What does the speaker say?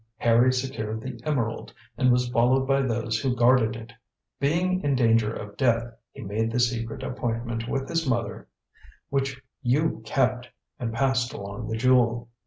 Harry secured the emerald and was followed by those who guarded it. Being in danger of death, he made the secret appointment with his mother which you kept, and passed along the jewel.